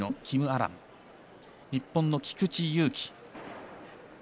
日本の菊池悠希。